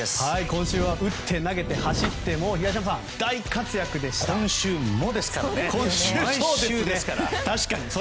今週は打って投げて走って今週もですからね。